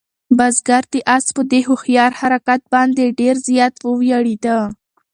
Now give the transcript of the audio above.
بزګر د آس په دې هوښیار حرکت باندې ډېر زیات وویاړېده.